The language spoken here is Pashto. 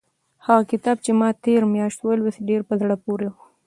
هغه کتاب چې ما تېره میاشت ولوست ډېر په زړه پورې و.